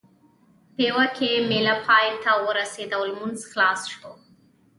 پېوه کې مېله پای ته ورسېده او لمونځ خلاص شو.